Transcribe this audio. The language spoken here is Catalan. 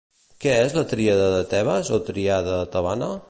Què és la tríada de Tebes o tríada tebana?